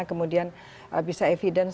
kemudian bisa evidence